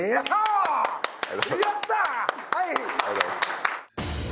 ありがとうございます。